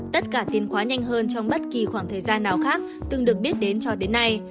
tất cả tiền khóa nhanh hơn trong bất kỳ khoảng thời gian nào khác từng được biết đến cho đến nay